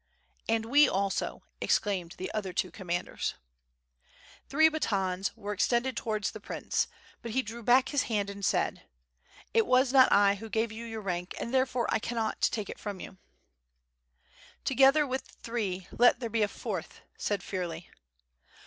"And we also," exclaimed the two other commanders. Three batons were extended towards the prince, but he drew back his hand and said: "It was not I who gave you your rank, and therefore I cannot take it from you." 692 WITH FIRE AND SWORD, "Together with the three, let there he a fourth," said Fir ley.